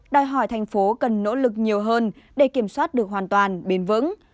đòi hỏi thành phố cần nỗ lực nhiều hơn để kiểm soát được hoàn toàn bền vững